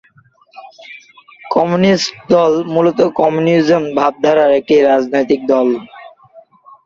Communist দল মূলত communism ভাবধারার একটি রাজনৈতিক দল।